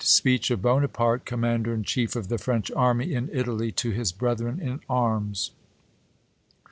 Speech of Buonaparte, Commander in Chief of THE French Army in Italy, to his Brethren IN Arms.